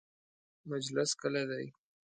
مجلس کله دی؟